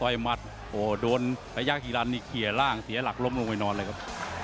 โอ้โหโดนพยักหิรันที่เขียร่างเสียหลักล้มลงไปนอนเลยครับ